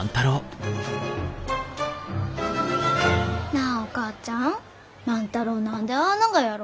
なあお母ちゃん万太郎何でああながやろ？